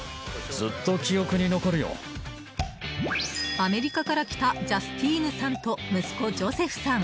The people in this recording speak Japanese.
アメリカから来たジャスティーヌさんと息子、ジョセフさん。